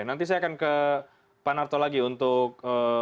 nanti saya akan ke pak narto lagi untuk